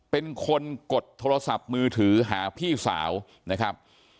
เป็นคนกดโทรศัพท์มือถือหาพี่สาวนะครับ